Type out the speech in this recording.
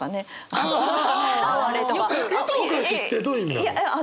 「いとをかし」ってどういう意味なの？